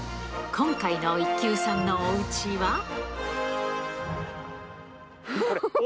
今回の一級さんのお家は？